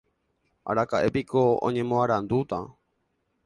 Araka'épiko oñemoarandúta.